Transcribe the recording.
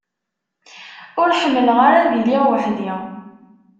Ur ḥemmleɣ ara ad iliɣ weḥd-i.